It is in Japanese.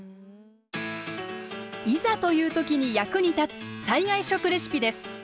いざという時に役に立つ災害食レシピです。